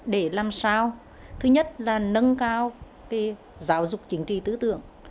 để làm sao thứ nhất là nâng cao giáo dục chính trị tư tưởng